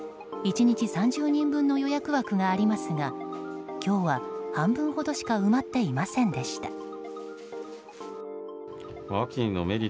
１日３０人分の予約枠がありますが今日は半分ほどしか埋まっていませんでした。